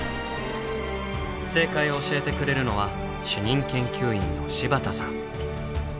正解を教えてくれるのは主任研究員の柴田さん。